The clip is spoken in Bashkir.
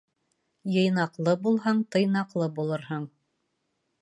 Йыйнаҡлы булһаң, тыйнаҡлы булырһың.